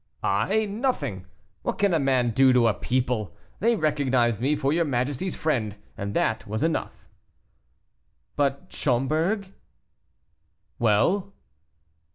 "I? nothing. What can a man do to a people? They recognized me for your majesty's friend, and that was enough." "But Schomberg?" "Well?"